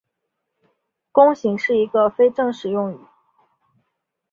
弓形是一个非正式用语。